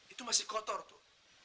itu masih kotor tuh